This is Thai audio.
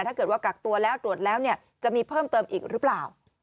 ถ้าเกิดว่ากักตัวแล้วตรวจแล้วจะมีเพิ่มเติมอีกหรือเปล่า